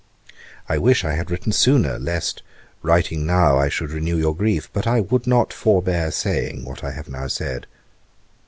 'I wish I had written sooner, lest, writing now, I should renew your grief; but I would not forbear saying what I have now said.